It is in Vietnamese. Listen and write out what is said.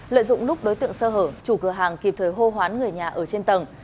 lợi dụng lúc đối tượng sơ hở chủ cửa hàng kịp thời hô hoán người nhà ở trên tầng